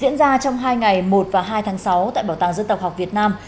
diễn ra trong hai ngày một và hai tháng sáu tại bảo tàng dân tộc học việt nam